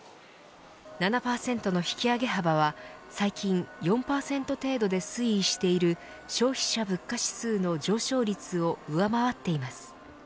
７％の引き上げ幅は最近４％程度で推移している消費者物価指数の上昇率を上回っています。